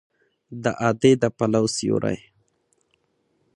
د ادې د پلو سیوری